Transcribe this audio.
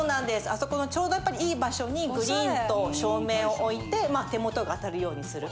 あそこのちょうどやっぱりいい場所にグリーンと照明を置いて手元が当たるようにする。